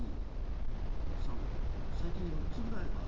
最低４つぐらいは。